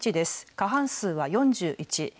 過半数は４１。